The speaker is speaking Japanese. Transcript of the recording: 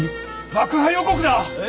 爆破予告だ！